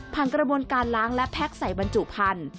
กระบวนการล้างและแพ็คใส่บรรจุพันธุ